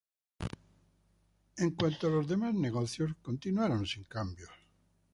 En cuanto a los demás negocios continuaron sin cambios.